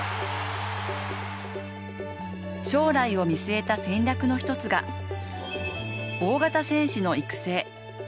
将来を見据えた戦略の１つが大型選手の育成。